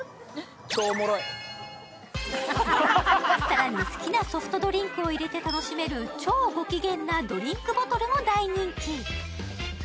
更に好きなソフトドリンクを入れて楽しめる超ご機嫌なドリンクボトルも大人気。